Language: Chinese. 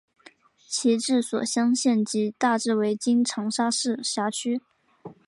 其治所湘县即大致为今长沙市辖区。